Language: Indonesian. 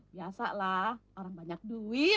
biasa lah orang banyak duit